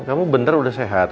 kamu bener udah sehat